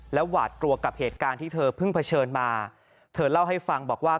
หวาดกลัวกับเหตุการณ์ที่เธอเพิ่งเผชิญมาเธอเล่าให้ฟังบอกว่า